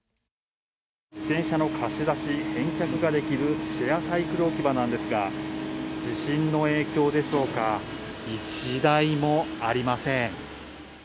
自転車の貸し出し、返却ができるシェアサイクル置き場なんですが、地震の影響でしょうか、１台もありません。